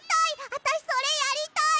あたしそれやりたい！